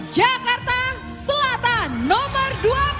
jakarta selatan nomor dua puluh dua